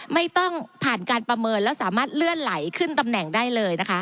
ไม่ต้องผ่านการประเมินแล้วสามารถเลื่อนไหลขึ้นตำแหน่งได้เลยนะคะ